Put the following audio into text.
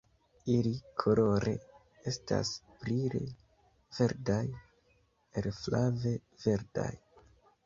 Ili kolore estas brile verdaj al flave verdaj.